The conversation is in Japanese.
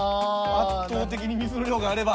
圧倒的に水の量があれば。